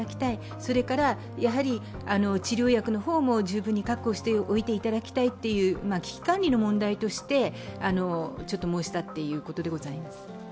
それから治療薬の方も十分に確保しておいていただきたいという危機管理の問題として申したということでございます。